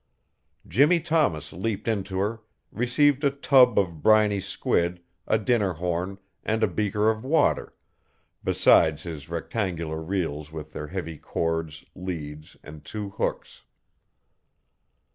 Jimmie Thomas leaped into her, received a tub of briny squid, a dinner horn, and a beaker of water, besides his rectangular reels with their heavy cord, leads, and two hooks.